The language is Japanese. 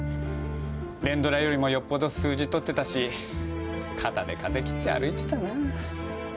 連ドラよりもよっぽど数字取ってたし肩で風切って歩いてたな。